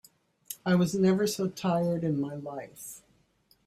I was never so tired in my life.